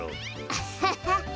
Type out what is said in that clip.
アハハハ。